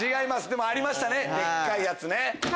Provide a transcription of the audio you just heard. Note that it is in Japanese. でもありましたねでっかいやつね。